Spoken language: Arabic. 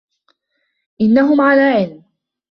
إِنَّهُمْ على علم.